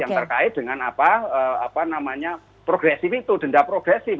yang terkait dengan apa namanya progresif itu denda progresif